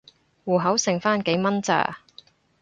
戶口剩番幾蚊咋